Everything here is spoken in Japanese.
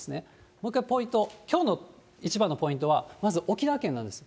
もう一回ポイント、きょうの一番のポイントは、まず沖縄県なんです。